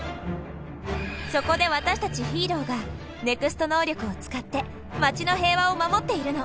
そこで私たちヒーローがＮＥＸＴ能力を使って街の平和を守っているの。